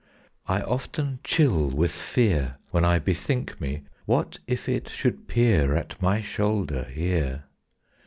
I often chill with fear When I bethink me, What if it should peer At my shoulder here!